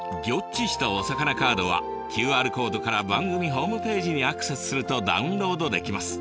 ちしたおさかなカードはＱＲコードから番組ホームページにアクセスするとダウンロードできます。